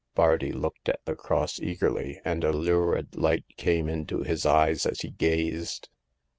Bardi looked at the cross eagerly, and a lurid light came into his eyes as he gazed.